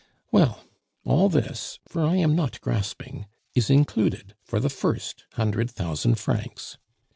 Well, all this, for I am not grasping, is included for the first hundred thousand francs.